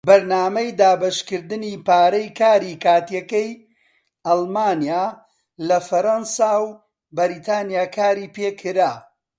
بەرنامەی دابەشکردنی پارەی کاری کاتیەکەی ئەڵمانیا لە فەڕەنسا و بەریتانیا کاری پێکرا.